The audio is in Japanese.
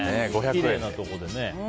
きれいなところでね。